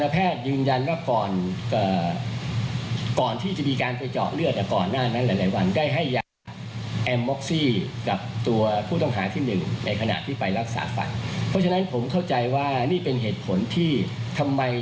เพราะหาการเสพยาเสพติด